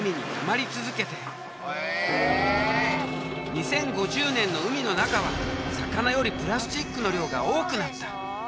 ２０５０年の海の中は魚よりプラスチックの量が多くなった。